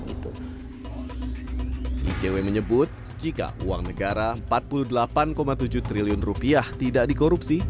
icw menyebut jika uang negara empat puluh delapan tujuh triliun rupiah tidak dikorupsi